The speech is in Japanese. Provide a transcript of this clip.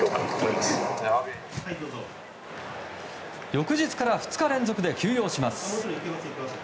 翌日から２日連続で休養します。